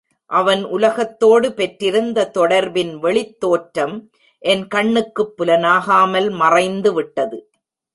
அவன் உலகத்தோடு பெற்றிருந்த தொடர்பின் வெளித் தோற்றம் என் கண்ணுக்குப் புலனாகாமல் மறைந்துவிட்டது.